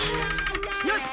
よし！